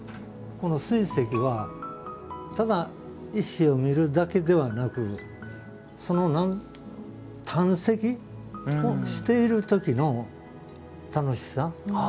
この水石はただ、石を見るだけではなくその探石をしている時の楽しさ。